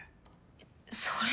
えっそれは。